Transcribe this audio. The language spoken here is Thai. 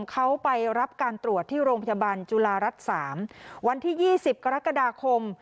เขาไปรับการตรวจที่โรงพยาบาลจุฬารัฐ๓วันที่๒๐กรกฎาคม